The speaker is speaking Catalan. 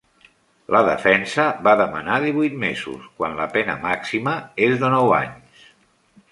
La defensa va demanar divuit mesos, quan la pena màxima és de nou anys.